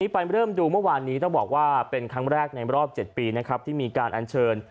ไปเริ่มดูเมื่อวานนี้ต้องบอกว่าเป็นครั้งแรกในรอบ๗ปีนะครับที่มีการอัญเชิญ